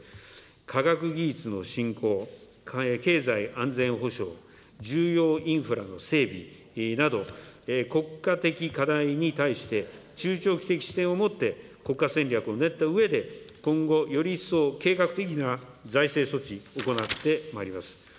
科学技術の振興、経済安全保障、重要インフラの整備など、国家的課題に対して、中長期的視点を持って、国家戦略を練ったうえで、今後より一層、計画的な財政措置を行ってまいります。